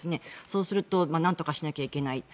そうするとなんとかしなきゃいけない。